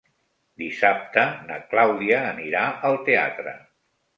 Dissabte na Clàudia anirà al teatre.